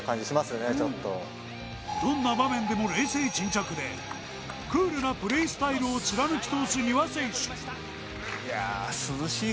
どんな場面でも冷静沈着でクールなプレースタイルを貫き通す丹羽選手